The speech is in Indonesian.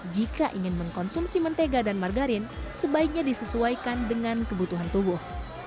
jika ingin mengkonsumsi mentega dan margarin sebaiknya disesuaikan dengan kebutuhan tubuh